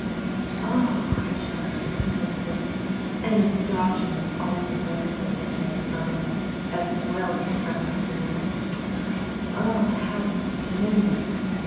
"Oh!" cried Charlotte breathlessly. An adoption was always a wonderful event in the asylum, as well as a somewhat rare one. "Oh, how splendid!"